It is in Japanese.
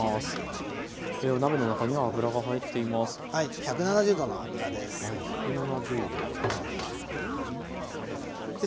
１７０℃の油です。